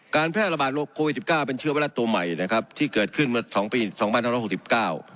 แพร่ระบาดโรคโควิดสิบเก้าเป็นเชื้อไวรัสตัวใหม่นะครับที่เกิดขึ้นเมื่อสองปีสองพันห้าร้อยหกสิบเก้า